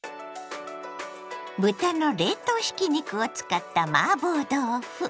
豚の冷凍ひき肉を使ったマーボー豆腐。